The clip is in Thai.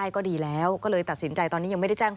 ทีมข่าวไทยรัฐทีวีก็ติดต่อสอบถามไปที่ผู้บาดเจ็บนะคะ